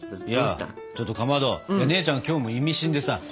いやちょっとかまど姉ちゃんが今日も意味深でさ。